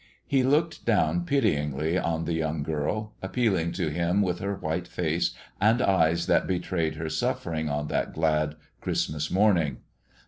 He looked down pityingly on the young girl, appealing to him with her white face and eyes that betrayed her suffering on that glad Christmas morning.